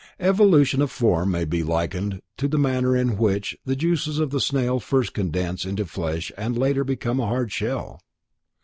Evolution of form may be likened to the manner in which the juices in the snail first condense into flesh and later become a hard shell.